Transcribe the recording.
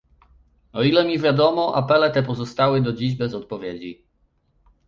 O ile mi wiadomo, apele te pozostały do dziś bez odpowiedzi